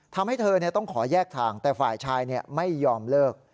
ทำให้เธอต้องขอแยกทางแต่ฝ่ายชายไม่ยอมเลิก